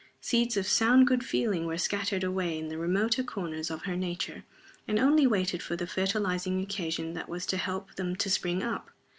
Seeds of sound good feeling were scattered away in the remoter corners of her nature, and only waited for the fertilizing occasion that was to help them to spring up.